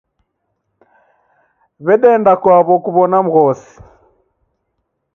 W'edeenda kwaw'o kuw'ona mghosi.